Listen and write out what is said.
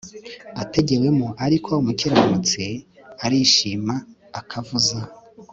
ategewemo Ariko umukiranutsi arishima akavuza